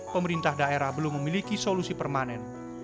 pemerintah daerah belum memiliki solusi permanen